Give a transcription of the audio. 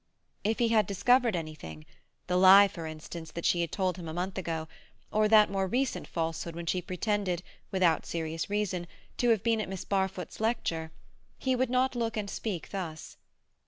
If he had discovered anything (the lie, for instance, that she told him a month ago, or that more recent falsehood when she pretended, without serious reason, to have been at Miss Barfoot's lecture), he would not look and speak thus.